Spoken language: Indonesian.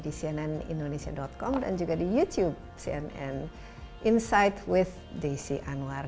di cnnindonesia com dan juga di youtube cnn insight with desi anwar